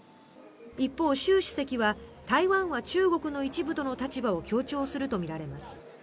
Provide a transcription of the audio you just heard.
一方、習主席は台湾は中国の一部との立場を強調するとみられます。